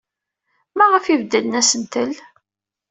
Maɣef ay beddlen asentel?